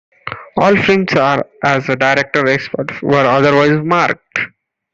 All films are as director except where otherwise marked.